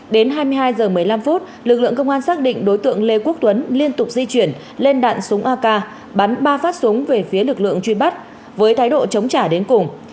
đến hai mươi hai h một mươi năm phút lực lượng công an xác định đối tượng lê quốc tuấn liên tục di chuyển lên đạn súng ak bắn ba phát súng về phía lực lượng truy bắt với thái độ chống trả đến cùng